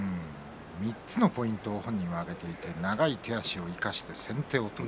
３つのポイントを本人は挙げていて、長い手足を生かして先手を取る。